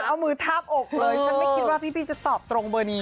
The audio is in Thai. เอามือทาบอกเลยฉันไม่คิดว่าพี่จะตอบตรงเบอร์นี้